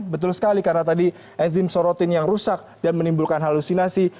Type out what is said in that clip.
betul sekali karena tadi ezim sorotin yang rusak dan menimbulkan halusinasi